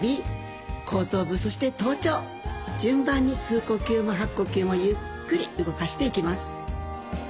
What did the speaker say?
順番に吸う呼吸も吐く呼吸もゆっくり動かしていきます。